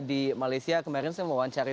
di malaysia kemarin saya mewawancari